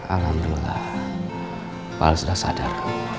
alhamdulillah pak al sudah sadar